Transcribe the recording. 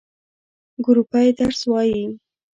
ګروپی درس وایی؟